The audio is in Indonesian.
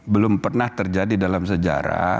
belum pernah terjadi dalam sejarah